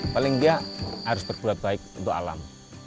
paling dia harus berbuat baik untuk alam